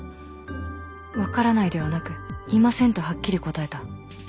「分からない」ではなく「いません」とはっきり答えた